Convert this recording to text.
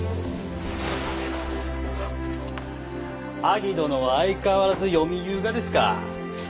アギ殿は相変わらず読みゆうがですか。